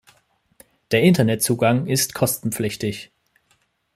Der Internetzugang ist kostenpflichtig.